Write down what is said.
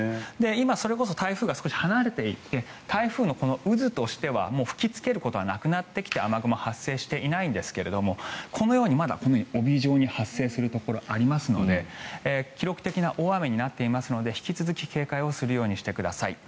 今それこそ台風が少し離れていて台風の渦としては吹きつけることはなくなってきて雨雲は発生していないんですがこのようにまだ帯状に発生するところがありますので記録的な大雨になっていますので引き続き警戒するようにしてください。